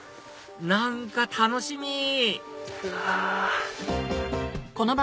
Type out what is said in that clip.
何か楽しみ！